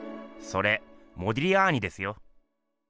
それモディリアーニですよ。